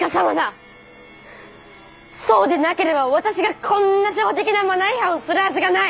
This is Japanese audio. そうでなければ私がこんな初歩的なマナー違反をするはずがない。